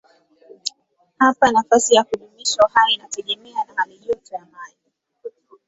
Hapa nafasi ya kudumisha uhai inategemea na halijoto ya maji.